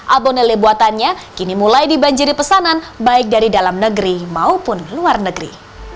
abonele buatannya kini mulai dibanjiri pesanan baik dari dalam negeri maupun luar negeri